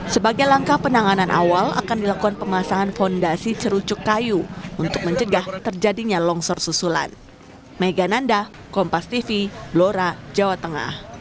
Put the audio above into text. sebagai langkah penanganan awal akan dilakukan pemasangan fondasi cerucuk kayu untuk mencegah terjadinya longsor susulan